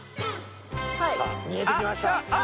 さぁ見えてきました。